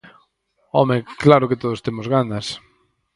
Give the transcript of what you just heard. Home, claro que todos temos ganas!